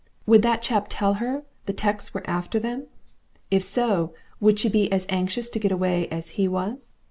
Would that chap tell her the 'tecks were after them? If so, would she be as anxious to get away as HE was?